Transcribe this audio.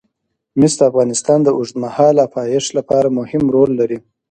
مس د افغانستان د اوږدمهاله پایښت لپاره مهم رول لري.